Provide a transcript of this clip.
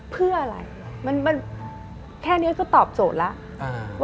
เพื่ออะไรมันแค่นี้ก็ตอบโจทย์แล้ว